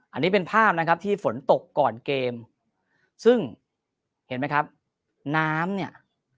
อันนี้เป็นภาพนะครับที่ฝนตกก่อนเกมซึ่งเห็นไหมครับน้ำเนี่ย